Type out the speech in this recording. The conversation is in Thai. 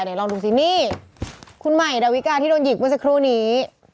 เดี๋ยวลองดูซินี่คุณใหม่ดาวิกาที่โดนหยิกเมื่อสักครู่นี้